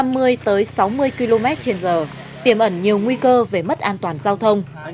tuy nhiên các loại phương tiện này có thể chạy với vận tốc năm mươi tới sáu mươi km trên giờ tiềm ẩn nhiều nguy cơ về mất an toàn giao thông